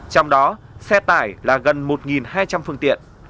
trong đó xe tải là gần một hai trăm linh phương tiện